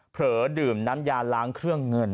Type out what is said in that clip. ดื่มน้ำยาล้างเครื่องเงิน